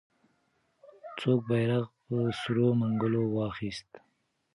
څوک بیرغ په سرو منګولو واخیست؟